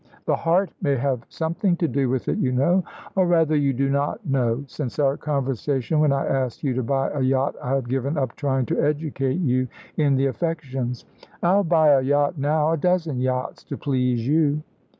"The heart may have something to do with it, you know or rather, you do not know. Since our conversation when I asked you to buy a yacht I have given up trying to educate you in the affections." "I'll buy a yacht now a dozen yachts, to please you."